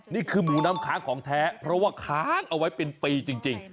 นี่คือหมูน้ำค้างของแท้เพราะว่าค้างเอาไว้เป็นปีจริง